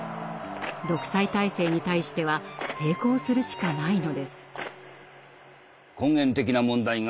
独裁体制に対しては抵抗するしかないのです。